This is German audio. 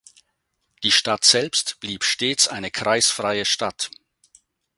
Die Stadt selbst blieb stets eine kreisfreie Stadt.